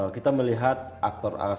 kita melihat aktor asli